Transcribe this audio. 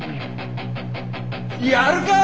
やるか！